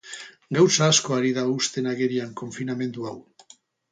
Gauza asko ari da uzten agerian konfinamendu hau.